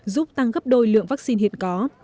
giúp tăng gấp đôi lượng vaccine hiện có